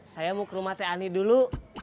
saya mau ke rumah teh ani dulu